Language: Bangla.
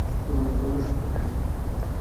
তোমার অন্য সত্তা থেকে।